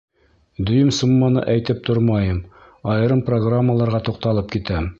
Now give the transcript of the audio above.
Дөйөм сумманы әйтеп тормайым, айырым программаларға туҡталып китәм.